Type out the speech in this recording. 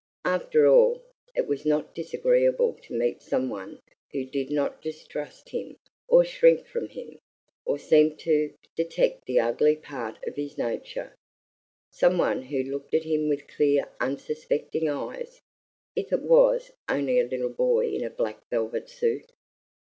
After all, it was not disagreeable to meet some one who did not distrust him or shrink from him, or seem to detect the ugly part of his nature; some one who looked at him with clear, unsuspecting eyes, if it was only a little boy in a black velvet suit.